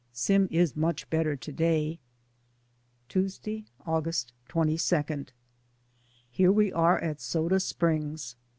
Sim is much better to day. Tuesday, August 22. Here we are at Soda Springs.